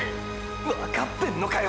わかってんのかよ！！